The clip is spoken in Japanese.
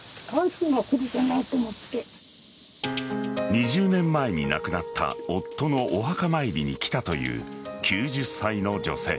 ２０年前に亡くなった夫のお墓参りに来たという９０歳の女性。